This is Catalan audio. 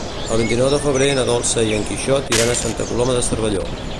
El vint-i-nou de febrer na Dolça i en Quixot iran a Santa Coloma de Cervelló.